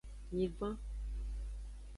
Nyigban.